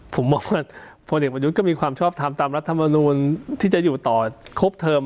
ผมมองว่าพลเอกประยุทธ์ก็มีความชอบทำตามรัฐมนูลที่จะอยู่ต่อครบเทอม